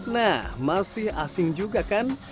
nah masih asing juga kan